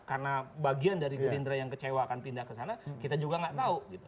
karena bagian dari gerindra yang kecewa akan pindah ke sana kita juga gak tahu